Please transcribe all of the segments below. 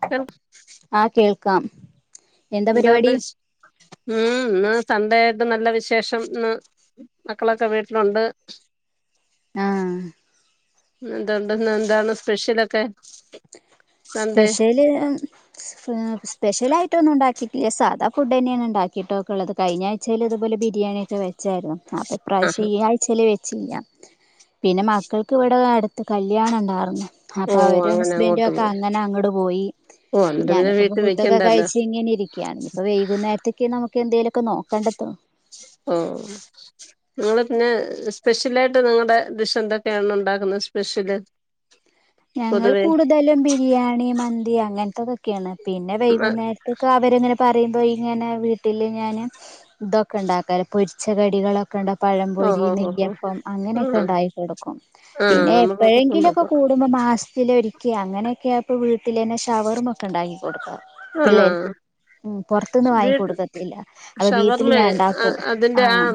[inaudible] ആ കേൾക്കാം. എന്താ പരിപാടി എന്താണ്ട്ശ് ഉം ഇന്ന് ചന്തായിട്ട് നല്ല വിശേഷംന്ന് മക്കളൊക്കെ വീട്ടിലുണ്ട് ആഹ് ഇന്നെന്ത്ണ്ട് ഇന്നെന്താണ് സ്പെഷ്യലൊക്കെ? സൺഡേ സ്പെഷ്യല് സ്പെഷ്യലായിട്ട് ഒന്നും ഉണ്ടാക്കിയിട്ടില്ല, സാധാ ഫുഡന്നേണ് ഉണ്ടാക്കിയിട്ടോക്കെള്ളത് കഴിഞ്ഞാഴ് - ച്ചൽ ഇതുപോലെ ബിരിയാണിയക്കെ വെച്ചായിരുന്നു, അപ്പോ ഇ പ്രാവിശ്യം ആഹാ ഈ പ ആഴചയില് വെച്ച ചെയ്യാം, പിന്നെ മക്കൾക്ക് ഇവിടെ അടുത്ത് കല്യാണം ഉണ്ടായിരുന്നു ഓ അപ്പൊ അവര് അങ്ങനെ അങ്ങോട്ട് ബന്റെക്കെ പോയി അങ്ങനെ അങ്ങട്ട് പോയി, ഓ എന്നിട്ട് പിന്നെ ഞാനൊക്കെ ഇപ്പൊ വീട്ടിൽ ഫുഡൊക്കെ വെക്കണ്ടല്ലോ കഴിച്ച് ഇങ്ങനെ ഇരിക്ക ക്കെയാണ് ഇപ്പോ വൈകുന്നേരത്തേക്ക് നമുക്ക് എന്തേലൊക്കെ നോക്കണ്ടത്തോ ഓ നിങ്ങള് പിന്നെ സ്പെഷ്യലായിട്ട് നിങ്ങളുടെ ഡിഷ് എന്തൊക്കെയാണ് ഉണ്ടാക്കുന്നത്? സ്പെഷ്യല്. [inaudible] ഞങ്ങൾ പൊതുവേ കൂടുതലും ബിരിയാണി മന്തി അങ്ങനത്തെതൊക്കേണ്, പിന്നെ വൈകുന്നേര ക്കെ അവര്ങ്ങനെ പറയുമ്പൊ, ഇങ്ങനെ വീട്ടില് ഞാന് ഇതൊക്കെ ഉണ്ടാക്കാല് പൊരിച്ച കടികളൊക്കെ ഉണ്ടാകു പഴംപൊരി, ഓഹോ ഹോ ഹോ നെ്യ്യപ്പം, അങ്ങനെയൊക്കെ ആഹ് ഉണ്ടായി കൊടുക്കും. ആഹ് പിന്നെ നമ്മളൊക്കെ എപ്പോഴെങ്കിലൊക്കെ ഉണ്ടാക്കും കു മൂ മാസത്തിലൊരിക്കെ അങ്ങനെയൊക്കെയായപ്പ വീട്ടില് തന്നെ ഷവർമൊക്കെണ്ടാക്കി കൊടുക്കും. ആണോ- വാങ്ങി വീട്ട് കൊടുക്കത്തില്ല അപ്പൊ വീട്ടില് ഷവർമേ ഞാൻ ഉണ്ടാക്കും അതിൻ്റെ ആ ആഹ്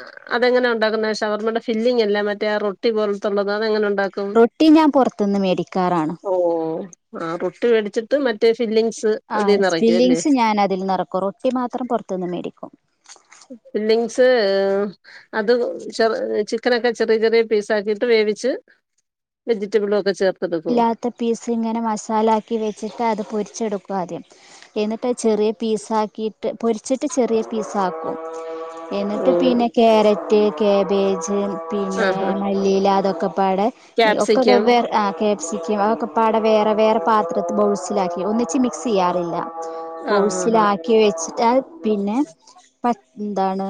അ അതെങ്ങനെ ഉണ്ടാക്കുന്നെ ഷവർമ്മെൻ്റ ഫില്ലിംഗല്ല മറ്റേ ആ റൊട്ടി പോലത്തുള്ളത് അതങ്ങനെ ഉണ്ടാ ഉണ്ടാക്കു ക്കും. റൊട്ടി ഞാൻ പുറത്തുന്ന് മേടിക്കാറാണ് ഓ ആ റൊട്ടി വേടിച്ചിട്ട് മറ്റേ ഫില്ലിംഗ്സ് ആ സ്ഫിലിംഗ്സ് ഞാൻ അതിൽ നറക്കും, റൊട്ടി മാത്രം പൊറത്തുന്ന് മേടിക്കും. ഫില്ലിങ്സ് ഉം അത് ചെറ് ചിക്കനൊക്കെ ചെറിയ ചെറിയ പീസ് ആക്കീട്ട് വേവിച്ച് വെജിറ്റബിളു ഒക്കെ ചേർ ല്ലാത്ത പീസ് ഇങ്ങനെ മസാലാക്കി വെച്ചിട്ട്, അത് പൊരിച്ചെടുക്കു ആദ്യം. എന്നിട്ട് ചെറിയ പീസാക്കിയിട്ട്, പൊരിച്ചിട്ട് ചെറിയ പീസാക്കും. ഓ എന്നിട്ട് പിന്നെ ക്യാരെറ്റ്, കേബേജ് പിന്നെ ആഹാ മല്ലിയിലാ അതൊക്കെ പാടെ ക്യാപ്സിക്കം ഒക്കെവേവ്വേ ആ കേ ചിക്കും അതൊക്കെ പ്പാടെ വേറെ വേറെ പാത്രത്തി ബൗൾസിലാക്കി ഒന്നിച്ച് മിക്സെയ്യാറില്ല. ആഹാ ബൗൾസിലാക്കി വെച്ചിട്ട് അത്പിന്നെ പ എന്താണ്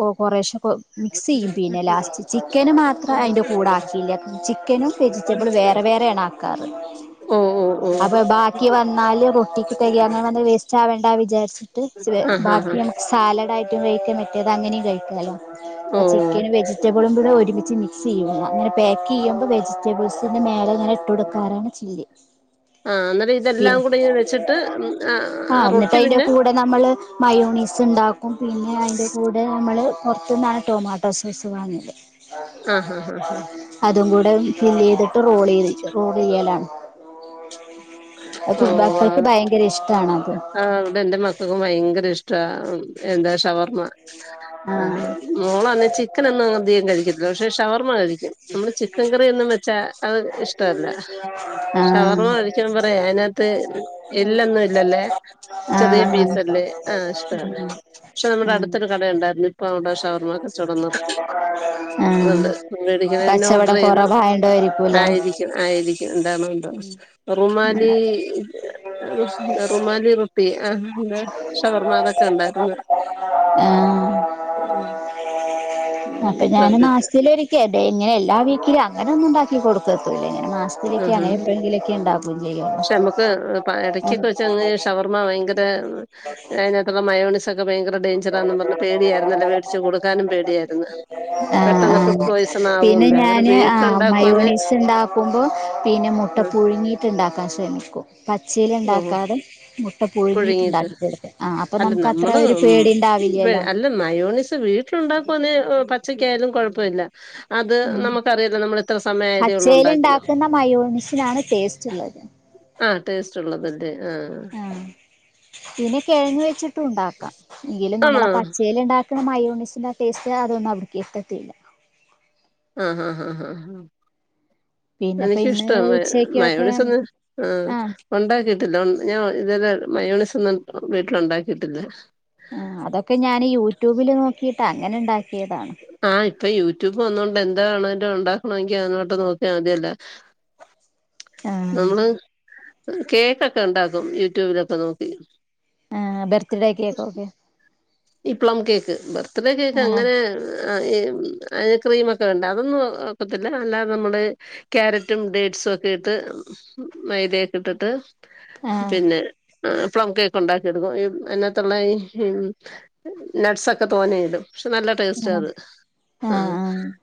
ഒ കൊറേശെ മിക്സെയ്യും പിന്നെ ലാസ്റ്റ് ചിക്കന് മാത്ര അയിന്റെ കൂടെ ആക്കിയില്ല, ചിക്കനും വെജിറ്റബിളും വേറെ വേറെയാണ് ആക്കാറ്. ഓ ഓ ഓ അപ്പൊ ബാക്കി വന്നാല് റൊട്ടിക്ക് തെകയ് അങ്ങനെ വന്നാ വേസ്റ്റാവണ്ട വിചാരിച് ്ട്ട് ആഹാ ബാക്കി ഹാ നമ്മക്ക് സാലഡ് ആയിട്ടും കഴിക്ക മെറ്റേത് അങ്ങനെം കഴിക്കാലൊ, അപ്പൊ ഓ ചിക്കനും വെജി വെജറ്റബിളും കൂടെ ഒരുമിച്ച് മിക്സെ യ്യുക, അങ്ങനെ പേക്കെയ്യുമ്പോ, വെജിറ്റബിൾസിൻ്റെ മേലെ ങ്ങനെട്ടൊട്ക്കാറാണ് ചില്ലി, ആ അന്നേരം ഇതെല്ലാം പിന്നെ കൂടെ ഇ വെച്ചിട്ട് ആ ആഹ് ന്നിട്ട് റൊട്ടി അതിന്റെ പിന്നെ കൂടെ നമ്മള് മയോണീസ് ഉണ്ടാക്ക ക്കും, പിന്നെ അയിന്റെ കൂടെ നമ്മള് പൊർത്തുന്നാണ് ടൊമാട്ടോ സോസ് വാങ്ങല്. ആഹാ ഹാ ഹാ [inaudible] അതും കൂടെ ഫില്ല്ല്ലെയ്തിട്ട് റോൾ ചെയ്ത്, റോൾ ചെയ്യലാണ്. അത് ഓ മക്കൾക്ക് ഭയങ്കര ഇഷ്ടാണത്. ആ ഇവിടെ എന്റെ മക്കക്കും ഭയങ്കര ഇഷ്ട എന്താ ഷവർമ്മ ആ ആഹ് മോളന്നെ ചിക്കനന്നുംധികം കഴിക്കത്തില്ല, പക്ഷെ ഷവർമ്മ കഴിക്കും നമ്മള് ചിക്കൻ കറിയെന്നും വെച്ചാ അത് ഇഷ്ടല്ല ആഹ് ഷവർമ്മ കഴിക്കൻ പറയാ അതിനകത്ത് എല്ലൊന്നും ഇല്ലല്ലേ ചെറിയ ആഹ് ആഹ് പീസല്ലേ ആഹ് ഇഷ്ട പക്ഷെ നമ്മുടെ അടുത്ത് ഒരു കട ഉണ്ടായിരുന്നു അതുകൊണ്ട് മേടിക്കണ ആ പിന്നെ ഓർഡർ കച്ചവടം കൊറ ചെയ്ത് വാണ്ടായിരിക്കും ക്കുലെ ആയിരിക്കും ആയിരിക്കും എന്താണ് ണ്ട റുമാലി റുമാ ിറുപ്പി ആ് ഷവർമ്മ അതൊക്കെ ഉണ്ടായിരുന്നു ആഹ് ഉം അപ്പൊ ഉം ഞാൻ മാസത്തിലൊരി ക്കെ ഇങ്ങന എല്ലാ വീക്കിലും അങ്ങനെ ഒന്നുംണ്ടാക്കി കൊടുക്കത്തൂല്ല ഇങ്ങനെ മാസ് ഉം ഉം ത്തിലൊക്കെ ഉണ്ടാകു പക്ഷ നമ്മുക്ക് ഇടക്കൊക്കെ വെച്ച ഷവർമ്മ ഭയങ്കര അ അ മയോണസിക്കെ ഭയങ്കര ഡേഞ്ച ടെയ്ഞ്ചറാനും പ റഞ്ഞ്പേടിയാരുന്നുല്ലെ വേടിച്ചു കൊടുക്കാനും പേടിയാരുന്നു ആഹ് പെട്ടന്ന്ഫുഡ് ആഹ് പോയിസ് പിന്നെ ഞാന് ആ മയോണീസ് ഉണ്ടാക്കുമ്പോ പിന്നെ മുട്ട ആഹ് പുഴുങ്ങി ഉണ്ടാക്കാൻ ശ്രമിക്കും പച്ചില് ഓഹോ ഉണ്ടാക്കാതെ മു മുട്ട പുഴുങ്ങിയിട്ട് പുഴങ്ങിയിട്ടുണ്ടാക്കി കൊടുക്കും ആ അപ്പൊ അല്ല നമുക്ക് അത്ര നമ്മള് ഒരു ഉം പേടി ഇണ്ടാവില്ലല്ലോ അല്ല മയോണിസ് വീട്ടിലുണ്ടാക്കുന്ന പച്ചക്കായാലും കൊഴപ്പല്ല്യ അത് ഉം നമുക്കറിയില്ല നമ്മൾ ഇത്ര സമയ ആയതേ ഉള്ള പച്ചേല് ഉണ്ടാക്കിനും ഇണ്ടാക്കുന്ന മയോണിസിനാണ് ടേസ്റ്റ് ഉള്ളത് ആഹ ടേസ്റ്റ് ഉള്ളതല്ലെ ആഹ് പിന്നെ കിഴങ്ങ് വെച്ചിട്ടും ഉണ്ടാക്കാം എങ്കിലും ആണോ നമ്മള പച്ചൽ ഉണ്ടാക്ക മയൂണിസിൻ്റെ ടേസ്റ്റ് അതൊന്നും അവടക്ക് എത്തത്തില്ല ആഹ് ആഹ് ഹഹ പിന്നെപ്പ എനിക്ക് ഇന്ന് ഇഷ്ട ഉച്ചക്കൊക്കെ മായോണി സ് ന്ന് ആഹ് ഉണ്ടാക്കിട്ടില്ല ഞാൻ ഇതല്ല മയോണിസ് ഒന്നും വീട്ടില് ഉണ്ടാക്കിയിട്ടില്ല ആ അതൊക്കെ ഞാന് യൂട്യൂബിൽ നോക്കിട്ട് അങ്ങനെ ഉണ്ടാക്കിയതാണ് ആഹ് ഇപ്പൊ യൂട്യൂബ് വന്നുകൊണ്ട് എന്താണോ ഉണ്ടാക്കണമെങ്ക അഅോട്ട് നോക്കിയാൽമതീല്ല ആഹ് നമ്മള് കേക്കൊക്കെ ഉണ്ടാക്കും യൂട്യൂബിലൊക്കെ നോക്കി ആ ബർത്ത്ഡേ കേക്കൊക്കെ ഈ പ്ലം കേക്ക് ബർത്ത്ഡേ കേക്ക് ആഹ് അങ്ങനെ ആ അതിന് ക്രീമൊക്കെ വേണ്ടേ അതൊന്നും ഒക്കത്തില്ല അല്ലാതെ നമ്മള് ക്യാരറ്റും ഡേറ്റ്സും ഒക്കെ ഇട്ട് മൈദേ ഒക്കെ ഇട്ടിട്ട് ആഹ് പിന്നെ പ്ലം കേക്ക് ഉണ്ടാക്കി എടുക്കും അതിനത്തുള്ള ഈ നട്ട്സൊക്കെ തോനെയിടും പക്ഷെ നല്ല ടേസ്റ്റ ആഹ് അത് ആഹ്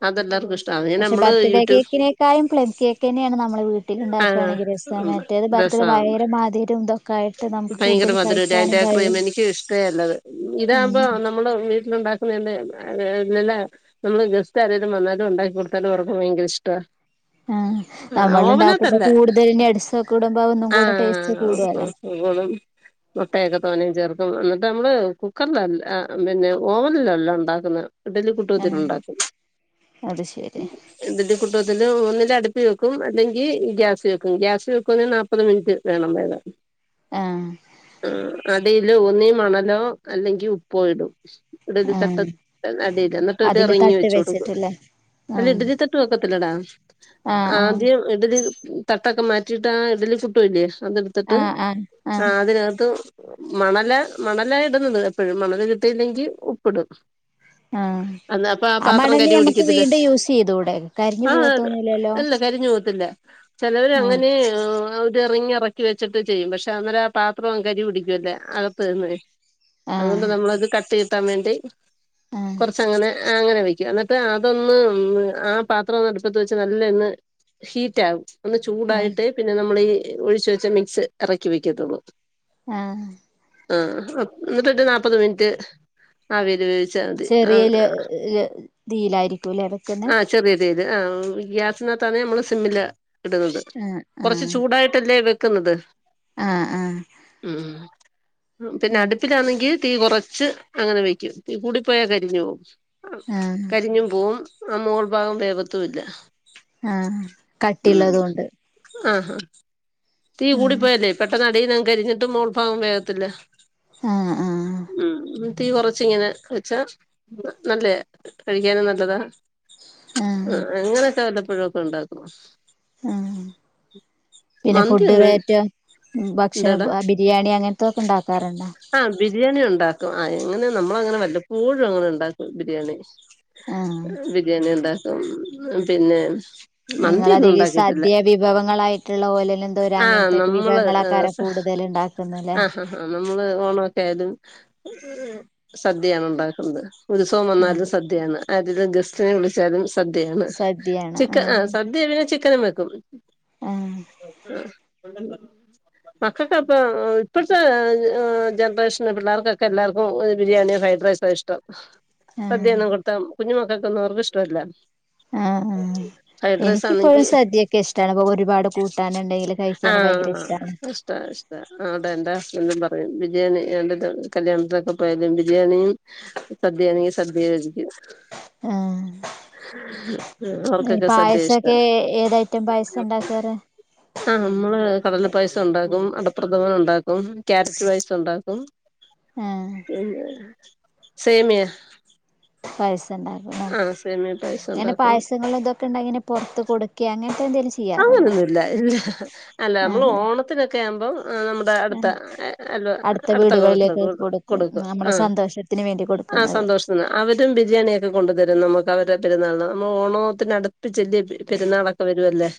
അതെല്ലാർക്കും ഇഷ്ടാവും പിന്നെ പക്ഷെ നമ്മള് ബർത്ത്ഡേ യൂട്യൂബ് കേക്കിനേക്കായും പ്ലെയിൻ കേക്ക് തന്നെയാണ് നമ്മളെ ആഹ് വീട്ടിലുണ്ടാക്കുകയാണെങ്കിൽ രസാ മറ്റേത് ബർത്ത് രസാണ് ഭയങ്കര മതിരും ഇതൊ ക്കായിട്ട് നമുക്ക് കൂടുതൽ കഴിക്കാനും കഴിയും അതേല്ലത് ഇതാകുമ്പോ ഉം നമ്മള് വീട്ടിലുണ്ടാക്കുന്നതിന്റെ നമ്മളെ ഗസ്റ്റ് ആരെലും വന്നാലും ഉണ്ടാക്കി കൊടുത്താലും അവർക്കും ഭയങ്കര ഇഷ്ടാ ആഹ് ആഹ് നമ്മൾ ണ്ടാക്കുമ്പോ ഓവനകത്തല്ല കൂടുതൽ നട്സൊക്കെ ഇടുമ്പോ ഒന്നും കൂടെ ടേസ്റ്റ് കൂടല്ലോ ആഹ് മുട്ടയൊക്കെ തോനയും ചേർക്കും എന്നിട്ട് നമ്മള് കുക്കറിലല്ല പിന്നെ ഓവനില എല്ലം ഉണ്ടാക്കുന്നത് ഇഡലിം പുട്ടും തേലും ആഹ് ണ്ടാക്കും അത് ശരി ഇതിന്റെ കുട്ടത്തില് ഒന്നില് അടുപ്പി വെക്കും അല്ലെങ്കിൽ ഗ്യാസി വെക്കും ഗ്യാസ് വെക്കുന്നന് നാല്പ്പ മുപ്പത് മിനിറ്റ് വേണം വേകാൻ ആഹ് ആ അതില് ഒന്നീ മണലോ അല്ലെങ്കി ഉപ്പോ ഇടും ഇഡലി തട്ട ആഹ് അടീല് എന്നിട്ട് ഒരു അതില് റിങ് തട്ട് വെച്ചു കൊടുക്കും വെച്ചിട്ടില്ലേ ആഹ് ഇഡലി തട്ട് വെക്കത്തില്ലടാ ആഹ് ആഹ് ആദ്യം ഇഡലി തട്ടൊക്കെ മാറ്റിയിട്ട് ആ ഇഡലി പുട്ടു ഇല്ലേ അതെടു ത്തട്ട് ആഹ് ആഹ് ആഹ് അതിനകത്ത് മണല മണല ഇടുന്നത് എപ്പോഴും മണല് കിട്ടിയില്ലെങ്കി ഉപ്പിടും ആഹ് അ അന്നാ അപ്പൊ ആ പാത്രം മണല് കരി ഞമ്മക്ക് പിടിക്കത്തില്ല വീണ്ടും യൂസ് ചെയ്തൂടെ കരിഞ്ഞു ആഹ് പോവത്തൊന്നുല്ലല്ലോ അതല്ല കരിഞ്ഞ് പോവത്തില്ല ചിലവർ ഉം അങ്ങനെ റിങ്ങ് എറക്കി വെച്ചിട്ട് ചെയ്യും പക്ഷെ അന്നേര ആ പാത്രം അങ്ങ് കരി പിടിക്കോല്ല അകത്ത് നിന്ന് അതുകൊണ്ട് ആഹ് നമ്മളത് കത്തി കിട്ടാൻ വേണ്ടി ആഹ് കുറച്ചങ്ങനെ അങ്ങനെ വെക്ക് എന്നട്ട് അതൊന്ന് ആ പാത്രം ഒന്ന് അടുപ്പത്ത് വെച്ച് നല്ലോം ഒന്ന് ഹീറ്റ് ആകും ഒന്ന് ആഹ് ചൂടായിട്ട് പിന്നെ നമ്മള് ഈ ഒഴിച്ചു വെച്ച മിക്സ് ഇറക്കി വെക്കത്തോള്ളൂ ആഹ് ആഹ് എന്നിട്ട് ഒരു നാപ്പത് മിനിറ്റ് ആവില് വേവിച്ചാമതി ചെറിയല് തീയിലായിരിക്കൂല്ലേ വെക്കുന്നെ ആഹ് ചെറിയതീയിൽ ആഹ് ഗ്യാസിനകത്താണേൽ നമ്മള് സിമ്മിലാ ഇടുന്നത് ആഹ് കൊറച്ച് ആഹ് ചൂടായിട്ടല്ലേ വെക്കുന്നത് ആഹ് ആഹ് ഉം പിന്നെ അടു തീ കുറച്ച് അങ്ങനെ വെക്കും തീ കൂടിപ്പോയാൽ കരിഞ്ഞു പോകും ആഹ് കരിഞ്ഞും പോവും ആ മോൾ ഭാഗം വേവത്തുല്ല ആഹ് ഉം കട്ടിള്ളതുകൊണ്ട് ആഹാ തീ ആഹ് കൂടിപ്പോയാലെ പെട്ടന്ന് അടിന്ന് അങ്ങ് കരിഞ്ഞിട്ട് മോൾ ഭാഗം വേവത്തില്ല ആഹ് ആഹ് ഉം തി കുറച്ച് ഇങ്ങനെ വെച്ചാ നല്ലെയാ കഴിക്കാനും നല്ലതാ ആ ആഹ് അങ്ങനെയൊക്കെ വല്ലപ്പോഴോക്കെ ണ്ടാക്കും ആഹ് പിന്നെ മന്തി ഫുഡ് ഒന്ന് വേറ്റോ ഭക്ഷണ എന്താടാ ബിരിയാണി അങ്ങനത്തൊക്കെ ഉണ്ടാക്കാറുണ്ടാ ആ ബിരിയാണി ഉണ്ടാക്കും ആ എങ്ങനെ നമ്മള് അങ്ങനെ വല്ലപ്പോഴും അങ്ങനെ ഉണ്ടാക്കും ബിരിയാണി ആഹ് ബിരിയാണി ഉണ്ടാക്കും പിന്നെ നിങ്ങള മന്തിയൊന്നും അധികം ഉണ്ടാക്കിയിട്ടില്ല സദ്യ വിഭവങ്ങളാ യിട്ടുള്ള പോലെ എന്തോര ആഹ് അങ്ങനത്തെ നമ്മള് വിഭവങ്ങൾ ആക്കാരെ കൂടുതൽ ഉണ്ടാക്കുന്നല്ലേ ആ നമ്മള് ഓണൊക്കെ ആയാതും സദ്യയാണ് ഉണ്ടാക്കുന്നത് ഉത്സവം ആഹ് വന്നാലും സദ്യയാണ് ആതിൽ ഗസ്റ്റിനെ വിളിച്ചാലും സദ്യയാണ് സദ്യയാണ് ചിക്ക ആഹ് സദ്യ പിന്നെ ചിക്കനും വെക്കും ആഹ് മക്കക്കപ്പ ഇപ്പഴത്തെ ജനറേഷൻ പിള്ളേർക്കൊക്കെ എല്ലാർക്കും ബിരിയാണി യൊക്കായ് [unintelligible] ഇഷ്ടം ആഹ് സദ്യൊന്നും കൊടുത്താൽ കുഞ്ഞു മക്കൾക്ക് ഒന്നും അവർക് ഇഷ്ടല്ല ആഹ് ആ എനക്ക്പ്പോഴും സദ്യയൊക്കെ ഇഷ്ടാണ് അ ഒരുപാട് കൂട്ട കൂട്ടാന് ണ്ടെങ്കില് കഴിക്കാണെകിൽ ഭയങ്കര ഇഷ്ട്ടാണ് ഇഷ്ട്ടാ അതന്താ എന്തും പറയും ബിരിയാണി കല്യാണത്തിനൊക്കെ പോയാലും ബിരിയാണീ സദ്യ ആണെങ്കിൽ സദ്യ കഴിക്കും ആഹ് അവർക്കൊക്കെ സദ്യ ഇഷ്ട പായസോക്കെ ഏതായിറ്റം പായസം ഉണ്ടാക്കാറ് ആഹ് നമ്മള് കടല പായസം ഉണ്ടാക്കും അടപ്രദമന് ഉണ്ടാക്കും ക്യാരറ്റ് പായസം ഉണ്ടാക്കും ആഹ് ഉം സേമിയ പായസണ്ടാക്കൂലെ ആ സേമിയ പായസം ഏയ്‌ന് ഉണ്ടാക്കും പായസങ്ങ ളിതൊക്കെ ഇണ്ടാകില് പുറത്ത് കൊടുക്കെ അങ്ങനത്തെ എന്തെകിലും ചെയ് അങ്ങനൊന്നുല്ല ഇല്ല അല്ല മ്മള് ആഹ് ഓണത്തിനൊക്കെ ആവുമ്പം ന്നമ്മുടെ ആഹ് അട്ത്തഎ എല്ല അടുത്ത അട്ത്തൊക്കെ വീടുകളിലേക്ക് വീട്ടിലൊക്ക് കൊടുക്കും കൊട്ക്കും നമ്മളെ ആഹ് സന്തോഷത്തിന് വേണ്ടി ആഹ് കൊടുക്കുന്നത് സന്തോഷ് ത്തിന് അവരും ബിരിയാണിയൊക്കെ കൊണ്ട് തെരും ന്നമക്ക് അവരേ പെരുന്നാള്ന് ന്നമ്മൾ ഓണത്തിനടുത്ത് പ്പിച്ചല്ലെ പെര് പെരുന്നാളൊക്കെ വരു അല്ലേ.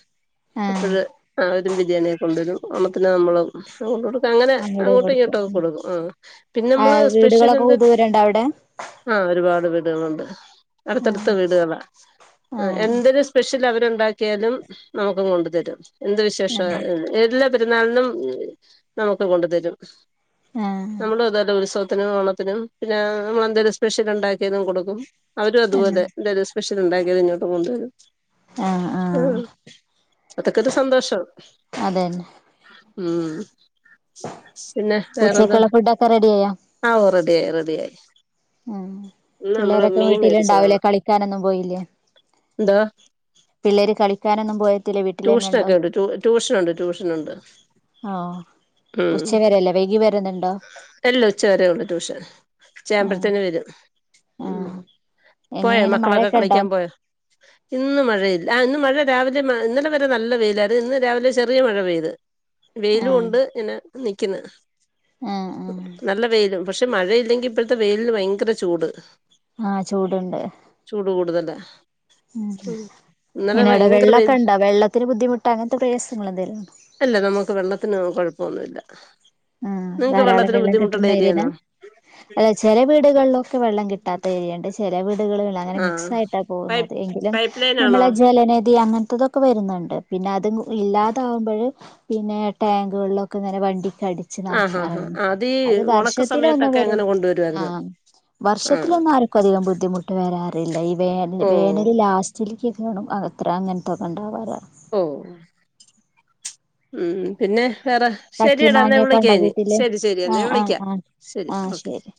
ആഹ് അപ്പഴ് അവരും ബിരിയാണിക്കെ കൊണ്ടരും ഓണത്തിന് ന്നമ്മള്. ഭഷണം കൊണ്ട്ടുക്ക അങ്ങനെ അങ്ങോടും അങ്ങോട്ടും കൊടുക്കും ഇങ്ങോട്ടൊക്കെ കൊട്ക്കും ആഹ് പിന്നെ അമ്മള് ആഹ് സ്പെഷൽ വീടുകളൊക്കെ എന്ത. ദൂരണ്ടോ അവിടെ ആഹ് ഒരുപാട് വീടുകളുണ്ട് ആഹ് അടുത്തടുത്ത് വീടുകളാ. ആഹ് എന്തൊരു സ്പെഷ്യൽ അവരുണ്ടാക്കിയാലും ന്നമുക്കും കൊണ്ട് തെരും എന്ത് ആഹ് വിശേഷായാലും എല്ലാ പെര്ന്നാളിനും ന്നമക്ക് കൊണ്ട്തെരും. ആഹ് ന്നമ്മളു അതോലെ ഉത്സവത്തിനും ഓണത്തിനും പിന്നെ ന്നമ്മളെന്തേങ്കിലും സ്പെഷ്യൽ ഇണ്ടാക്കിയതും കൊട്ക്കും. അവരും ആഹ് അതുപോലെ എന്തെങ്കിലും സ്പെഷ്യൽ ഇണ്ടാക്കിയാൽ ഇങ്ങോട്ടും കൊണ്ട് വെരും. ആഹ് ആഹ്. അതൊക്കൊര് സന്തോഷം അതന്നെ ഉം. പിന്നെ വേറെന്താ ഉച്ചക്കുള്ള ഫുഡൊക്കെ റെഡിയായോ ആഹ് ഓ റെഡി ആയി റെഡി ആയി. ഉം പിള്ളേരൊക്കെ വീട്ടിലിണ്ടാവ് ലേ മേടിച്ചതാണ് കളിക്കാനൊന്നും പോയില്ലേ? എന്താ പിള്ളേര് കളിക്കാനൊന്നും പോയി. ട്യൂഷനൊക്കെണ്ട് ട്യൂഷനുണ്ട് ട്യൂഷനുണ്ട്. ആഹ് ഉച്ച വരല്ലെ വൈകി വേരന്ണ്ടോ? അല്ല ഉച്ചവരെ ഒള്ളൂ ട്യൂഷൻ ആഹ് ഉച്ചാവുമ്പെഴ്ത്തേന് വെരും. ഉം ആഹ് പോയോ എങ്ങനെയാണ് മക്കളൊക്കെ മഴയൊക്കെ ഉണ്ടോ കളിക്കാൻ പോയോ? ഇന്ന് മഴയില്ല ആഹ് ഇന്ന് മഴ രാവിലെ ഇന്നലെ വരെ ന്നല്ല വെയ്യിലായിര്ന്ന് ഇന്ന് രാവിലെ ചെറിയ മഴ പെയ്ത്. ആഹ് വെയിലുണ്ട് ഇനെ ന്നിക്ക്ന്ന്. ആഹ്. ആഹ് ന്നല്ല വെയിലും പഷെ മഴയില്ലെങ്കി ഇപ്പോഴത്തെ വെയിലിന് ഭയങ്കര ചൂട്. ആഹ് ചൂട്ണ്ട്. ചൂട് കൂടുതല. ഉം ഇന്നാടെ വെയിൽ വെള്ളക്കെണ്ടോ വെള്ളത്തിന് ബുദ്ധിമുട്ട് അങ്ങൻത്തെ പ്രയാസങ്ങൾ എന്തെലുണ്ടോ? അല്ല ന്നമക്ക് വെള്ളത്തിന് രുകൊഴപ്പൊന്നുല്ല. ആഹ് ധാരാളം വെള്ളം കിട്ടുന്ന എര്യേലാ? ഏരിയാണോ അല്ല ചെല വീടുകൾലൊക്കെ വെള്ളം കിട്ടാത്ത ഏരിയൊണ്ട്. ചെലവീടുകള് അങ്ങനെ ആഹ് മിക്സ് ആയിട്ട പൈ പോകുന്നത് എങ്കിലും പൈപ്പ് ലൈൻ ആണോ ന്നമ്മളെ ജലനിധി അങ്ങൻത്തതൊക് ഒക്കെ വെരുന്ന്ണ്ട് പിന്നെ അത് ഇല്ലാതാവുമ്പഴ്. പിന്നെ ടാങ്കുവെള്ളക്കെ ഇങ്ങനെ വണ്ടിക്ക് അടിച്ച്. ആഹ് ന്നറക്കാറ് ആഹ് ആഹ് ഈ അത് ഉണക്ക വർഷത്തിലോന്ന് സമയത്തൊക്കെ വെരും അങ്ങനെ കൊണ്ടുവരുവായിരുന്നു ആഹ്. ആഹ് വർഷത്തിലൊന്നും ആർക്കും അധികം ബുദ്ധിമുട്ട് വരാറില്ല ഈ വേനല് വേനൽ ഓഹ് ലാസ് റ്റില്കൊക്കെ കാണും അകത്ര അങ്ങൻത്തെക്കെ ഇണ്ടാവാറ്. ഓഹ് ഉം പിന്നെ വേറെ? ചക്കി ശെരിയെടാ ഇന്നാ മാങ്ങിയൊക്കെ വിളിക്ക ഉണ്ടോ ഞാന് വീട്ടില് ശെരി ശെരി എന്നാ ആഹ് ആഹ് വിളിക്കാ ആഹ് ശെരി ആഹ് ഓക്കെ. ശരി